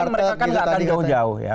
karena mereka kan nggak akan jauh jauh ya